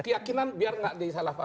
keyakinan biar tidak disalah paham